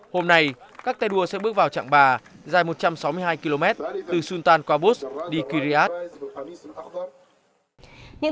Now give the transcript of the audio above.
hôm nay các tay đua sẽ bước vào trạng bà dài một trăm sáu mươi hai km từ sultan qaboos đi kiryat